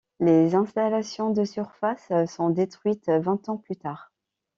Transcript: Les installations de surface sont détruites vingt ans plus tard.